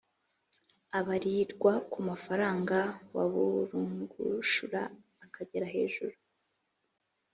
abarirwa ku mafaranga waburungushura akagera hejuru